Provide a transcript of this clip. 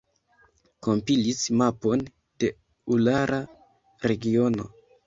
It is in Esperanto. Kompilis mapon de urala regiono.